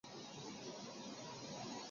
干元元年复改漳州。